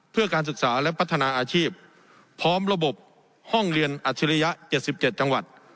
เพื่อการศึกษาและพัฒนาอาชีพพร้อมระบบห้องเรียนอัจฉริยะ๗๗จังหวัด